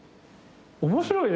面白いね。